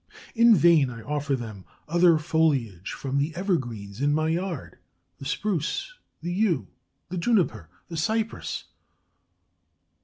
In vain I offer them other foliage from the evergreens in my yard: the spruce, the yew, the juniper, the cypress.